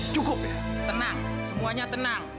cukup ya tenang semuanya tenang